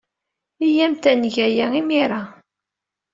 Iyyamt ad neg aya imir-a.